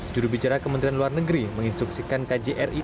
juru bicara kementerian luar negeri menginstruksikan kjri